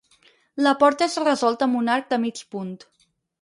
La porta és resolta amb un arc de mig punt.